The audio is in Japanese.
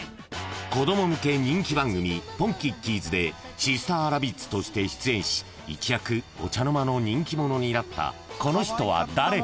［子供向け人気番組『ポンキッキーズ』でシスターラビッツとして出演し一躍お茶の間の人気者になったこの人は誰？］